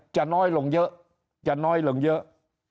จะน้อยลงเยอะ